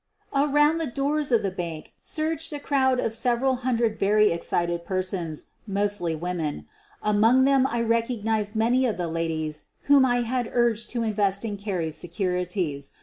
Around the doors of the bank surged a crowd of several hundred very excited persons, mostly QUEEN OF THE BURGLARS l&l women. Among them I recognized many of the ladies whom I had urged to invest in Carried se curities.